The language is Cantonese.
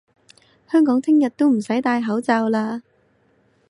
香港聽日都唔使戴口罩嘞！